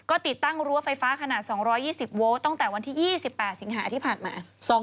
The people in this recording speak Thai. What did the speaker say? ก็ติดตั้งรั้วไฟฟ้าขนาด๒๒๐โวลต์ตั้งแต่วันที่๒๘สิงหาที่ผ่านมา